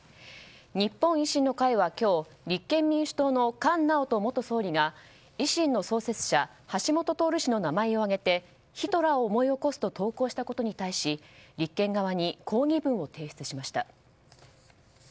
日本維新の会は今日立憲民主党の菅直人元総理が維新の創設者、橋下徹氏の名前を挙げてヒトラーを思い起こすと投稿したことに対し立憲側に抗議文を提出しました。